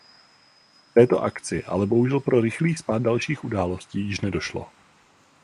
K této akci ale bohužel pro rychlý spád dalších událostí již nedošlo.